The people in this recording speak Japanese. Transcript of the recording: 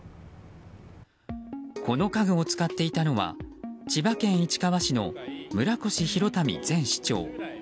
この家具を使っていたのは千葉県市川市の村越祐民前市長。